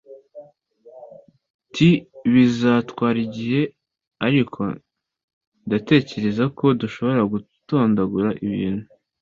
t bizatwara igihe, ariko ndatekereza ko dushobora gutondagura ibintu